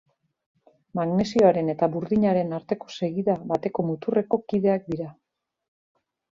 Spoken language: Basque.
Magnesioaren eta burdinaren arteko segida bateko muturreko kideak dira.